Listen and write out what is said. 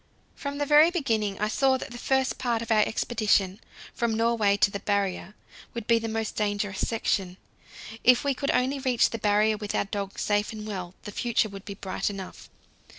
From the very beginning I saw that the first part of our expedition, from Norway to the Barrier, would be the most dangerous section. If we could only reach the Barrier with our dogs safe and well, the future would be bright enough.